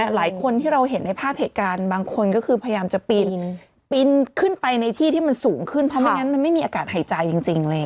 หลายคนที่เราเห็นในภาพเหตุการณ์บางคนก็คือพยายามจะปีนขึ้นไปในที่ที่มันสูงขึ้นเพราะไม่งั้นมันไม่มีอากาศหายใจจริงเลย